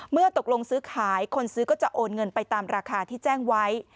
เมื่อตกลงซื้อขายคนซื้อก็จะโอนเงินไปตามราคาที่แจ้งไว้